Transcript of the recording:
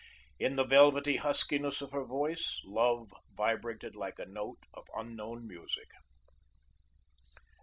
In the velvety huskiness of her voice, Love vibrated like a note of unknown music.